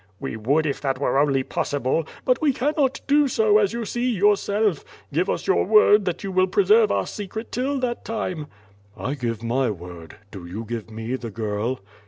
"We would if that were only possible! But we cannot do so as you see yourself. Give us your word that you will pre serve our secret till that time." "I give my word — do you give me the girl?"